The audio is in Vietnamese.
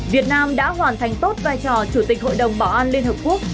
việt nam đã hoàn thành tốt vai trò chủ tịch hội đồng bảo an liên hợp quốc